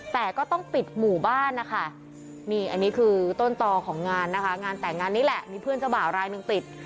แต่ก็ต้องปิดหมู่บ้านนะคะนี่อันนี้คือต้นต่อของงานนะคะงานแต่งงานนี้แหละมีเพื่อนเจ้าบ่าวรายหนึ่งติด